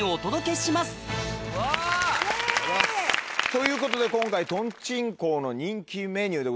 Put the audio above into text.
ということで今回豚珍行の人気メニューでございます